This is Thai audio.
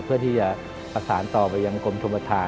เพื่อที่จะประสานต่อไปยังกรมชมประธาน